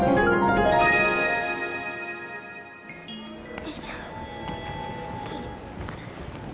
よいしょよいしょ。